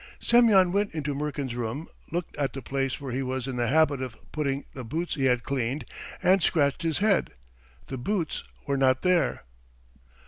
Semyon went into Murkin's room, looked at the place where he was in the habit of putting the boots he had cleaned, and scratched his head: the boots were not there.